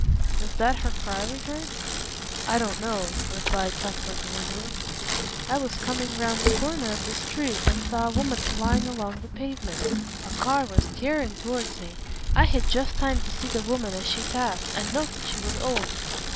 "Was that her cry we heard?" "I don't know," replied Cuthbert gloomily. "I was coming round the corner of the street and saw a woman flying along the pavement. A car was tearing towards me. I had just time to see the woman as she passed and note that she was old.